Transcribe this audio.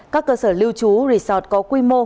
các cơ sở lưu trú resort có quy mô